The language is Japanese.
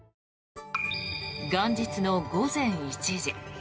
元日の午前１時。